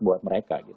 buat mereka gitu